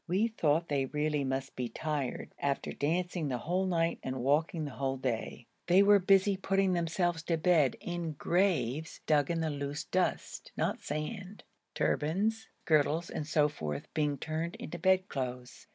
We thought they really must be tired after dancing the whole night and walking the whole day. They were busy putting themselves to bed in graves which they dug in the loose dust, not sand; turbans, girdles, and so forth being turned into bedclothes.